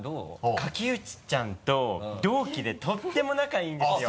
垣内ちゃんと同期でとっても仲いいんですよ。